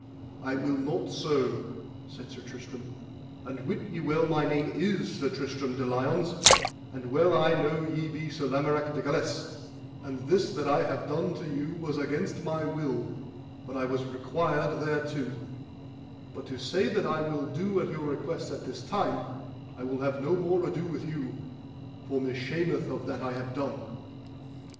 I will not so, said Sir Tristram; and wit ye well my name is Sir Tristram de Liones, and well I know ye be Sir Lamorak de Galis, and this that I have done to you was against my will, but I was required thereto; but to say that I will do at your request as at this time, I will have no more ado with you, for me shameth of that I have done.